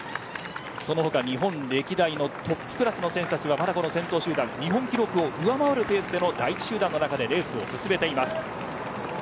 その他日本歴代トップクラスの選手が日本記録を上回るペースでの第１集団でレースを進めています。